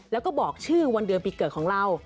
แล้วก็บอกชื่อวันเดือนปีเกิดของเรา